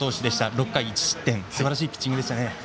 ６回１失点すばらしいピッチングでしたね。